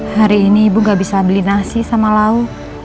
hari ini ibu gak bisa beli nasi sama lau